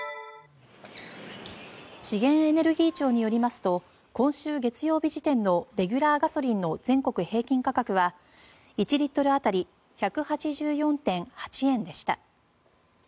資源エネルギー庁によりますと今週月曜日時点のレギュラーガソリンの全国平均価格は１リットル当たり１８４．８円でした。